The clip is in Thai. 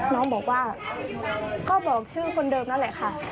น้องบอกว่าก็บอกชื่อคนเดิมนั่นแหละค่ะ